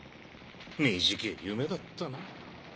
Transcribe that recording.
短ぇ夢だったな。